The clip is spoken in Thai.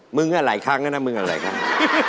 มึงอะหลายครั้งนะนะมึงอะหลายครั้ง